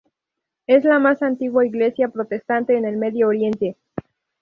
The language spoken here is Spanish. Es la más antigua iglesia protestante en el Medio Oriente.